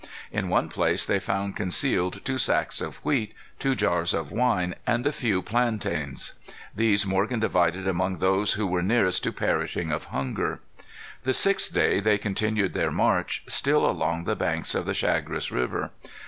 In one place they found concealed two sacks of wheat, two jars of wine, and a few plantains. These Morgan divided among those who were nearest to perishing of hunger. The sixth day they continued their march, still along the banks of the Chagres River.